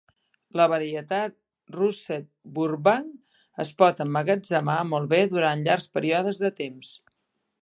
La varietat Russet Burbank es pot emmagatzemar molt bé durant llargs períodes de temps.